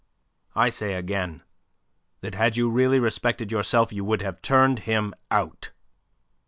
I say again that had you really respected yourself you would have turned him out."